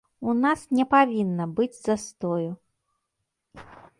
У нас не павінна быць застою.